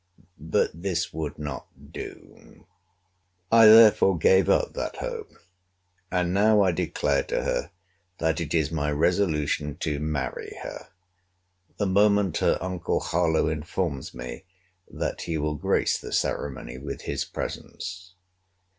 But this would not do.— I therefore gave up that hope: and now I declare to her, that it is my resolution to marry her, the moment her uncle Harlowe informs me that he will grace the ceremony with his presence.